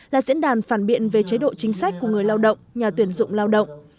là diễn đàn phản biện về chế độ chính sách của người lao động nhà tuyển dụng lao động